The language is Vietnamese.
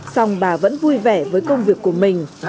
xong bà vẫn vui vẻ với công việc của mình